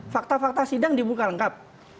fakta fakta sidang dibuka lengkap